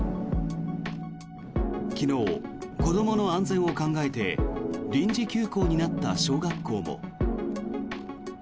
昨日、子どもの安全を考えて臨時休校になった小学校も。